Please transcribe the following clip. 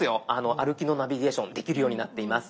歩きのナビゲーションできるようになっています。